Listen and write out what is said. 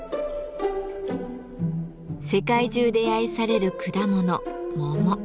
世界中で愛される果物「桃」。